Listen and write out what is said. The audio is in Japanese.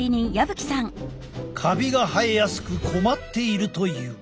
カビが生えやすく困っているという。